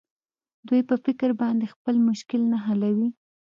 دوى په فکر باندې خپل مشکل نه حلوي.